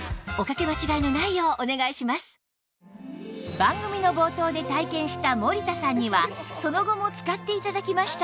番組の冒頭で体験した森田さんにはその後も使って頂きました